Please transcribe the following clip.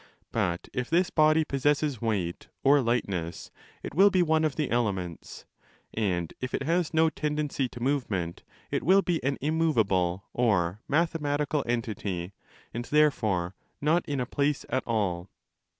But if this body possesses weight or light ness, it will be one of the elements; and if it has no 25 tendency to movement, it will be an immovable or mathe matical entity, and therefore not in a place at all.